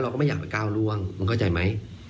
ก็ไม่อยากไปก้าวร่วงมึงเข้าใจไหม